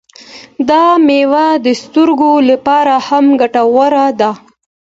دا میوه د سترګو لپاره هم ګټوره ده.